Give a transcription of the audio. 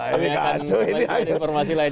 ini akan diberi informasi lain